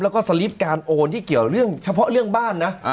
แล้วก็สลิปการโอนที่เกี่ยวเรื่องเฉพาะเรื่องบ้านนะ